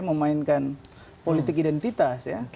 memainkan politik identitas ya